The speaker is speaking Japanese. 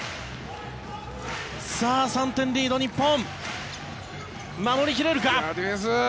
さあ、３点リード、日本守り切れるか。